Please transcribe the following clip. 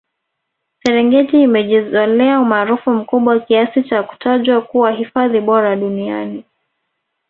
serengeti imejizolea umaarufu mkubwa kiasi cha kutajwa kuwa hifadhi bora duniani